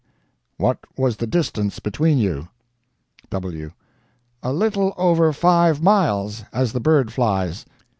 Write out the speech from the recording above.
What was the distance between you? W. A LITTLE OVER FIVE MILES, as the bird flies.